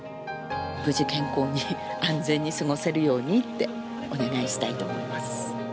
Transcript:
無事、健康に安全に過ごせるようにってお願いしたいと思います。